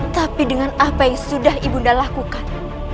tapi dengan apa yang sudah ibunda lakukan